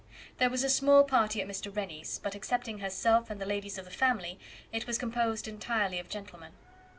There was a small party at Mr. Rennie's; but excepting herself and the ladies of the family, it was composed entirely of gentlemen.